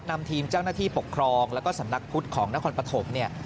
นำทีมเจ้าหน้าที่ปกครองแล้วก็สำนักพุทธของนครปฐมเนี่ย